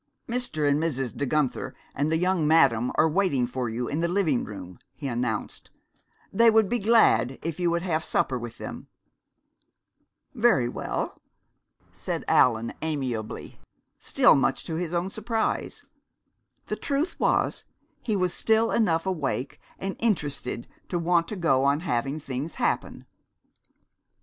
"Mr. and Mrs. De Guenther and the young madam are waiting for you in the living room," he announced. "They would be glad if you would have supper with them." "Very well," said Allan amiably, still much to his own surprise. The truth was, he was still enough awake and interested to want to go on having things happen.